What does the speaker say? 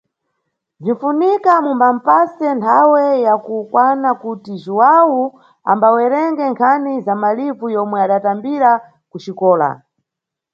Bzinʼfunika mumbamʼpase nthawe ya kukwana kuti Jhuwawu ambawerenge nkhani za malivu yomwe adatambira kuxikola.